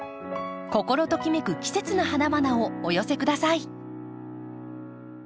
心ときめく季節の花々をお寄せください。